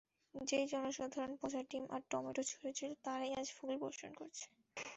যেই জনসাধারণ পচা ডিম আর টমেটো ছুঁড়েছিল, তারাই আজ ফুল বর্ষণ করছে।